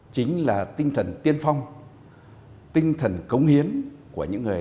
chính là tinh thần tiên phong tinh thần cống hiến của những người